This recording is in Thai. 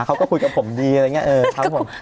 เขาก็คุยกับผมดีอะไรอย่างนี้